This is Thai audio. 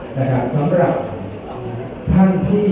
พระเจ้าขอบคุณครับ